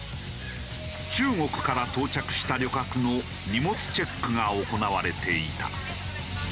中国から到着した旅客の荷物チェックが行われていた。